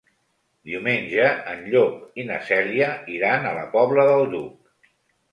Diumenge en Llop i na Cèlia iran a la Pobla del Duc.